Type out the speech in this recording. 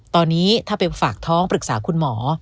ตอนนี้ถ้าไปฝากท้องปรึกษาคุณหมอ